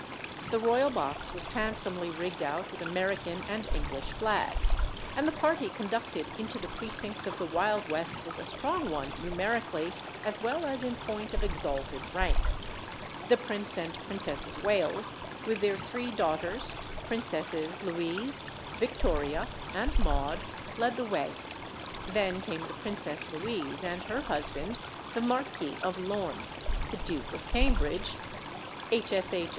The royal box was handsomely rigged out with American and English flags, and the party conducted into the precincts of the Wild West was a strong one numerically as well as in point of exalted rank: The Prince and Princess of Wales, with their three daughters, Princesses Louise, Victoria, and Maud, led the way; then came the Princess Louise and her husband, the Marquis of Lorne; the Duke of Cambridge; H. S. H.